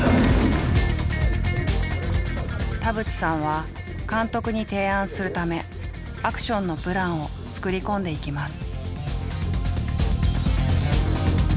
田渕さんは監督に提案するためアクションのプランを作り込んでいきます。